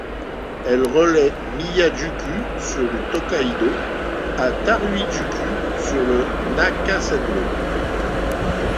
Elle reliait Miya-juku sur le Tōkaidō à Tarui-juku sur le Nakasendō.